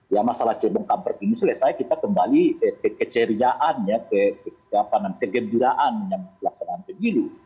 ya masalah jebong kampret ini selesai kita kembali keceriaan kegembiraan yang pelaksanaan kejilu